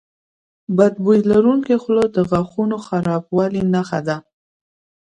بد بوی لرونکي خوله د غاښونو خرابوالي نښه ده.